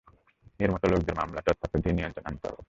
এর মতো লোকদের মামলা আর চড়-থাপ্পড় দিয়ে নিয়ন্ত্রণে আনতে হবে।